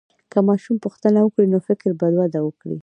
که ماشوم پوښتنه وکړي، نو فکر به وده وکړي.